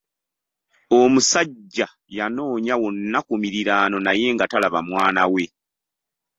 Omusajja yanoonya wonna ku miriraano naye nga talaba mwana we.